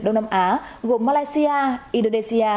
đông nam á gồm malaysia indonesia